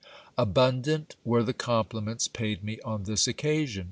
Abundant were the compliments paid me on this occasion.